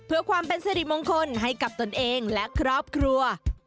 เพื่อความเป็นสิริมงคลให้กับตนเองและครอบครัว